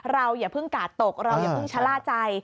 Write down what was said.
อย่าเพิ่งกาดตกเราอย่าเพิ่งชะล่าใจ